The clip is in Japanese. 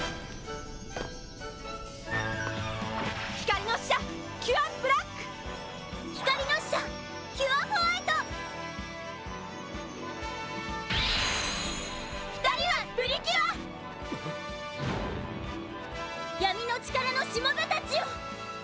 「光の使者キュアブラック」「光の使者キュアホワイト」「ふたりはプリキュア」「ふたりはプリキュア」「闇の力のしもべたちよ」